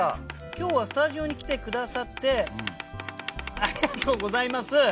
「今日はスタジオに来てくださってありがとうございます。